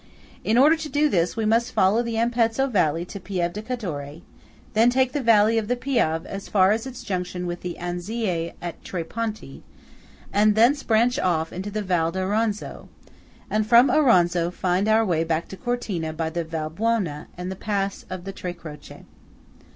In order to do this, we must follow the Ampezzo valley to Pieve di Cadore; then take the valley of the Piave as far as its junction with the Anziei at Tre Ponti; thence branch off into the Val d'Auronzo; and from Auronzo find our way back to Cortina by the Val Buona and the pass of the Tre Croce.